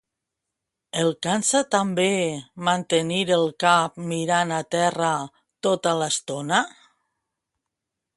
El cansa també mantenir el cap mirant a terra tota l'estona?